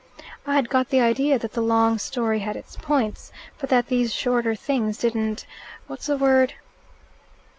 "I'd got the idea that the long story had its points, but that these shorter things didn't what's the word?"